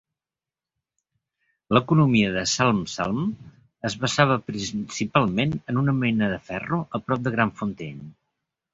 L'economia de Salm-Salm es basava principalment en una mina de ferro a prop de Grandfontaine.